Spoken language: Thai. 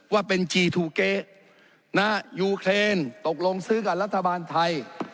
ว่าเป็นจีทูเกะยูเครนตกลงซื้อกับรัฐบาลไทย